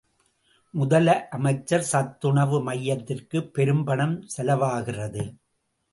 முதலமைச்சர் சத்துணவு மையத்திற்குப் பெரும்பணம் செலவாகிறது.